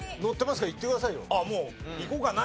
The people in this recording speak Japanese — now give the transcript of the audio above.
もういこうかな？